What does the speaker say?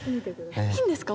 いいんですか？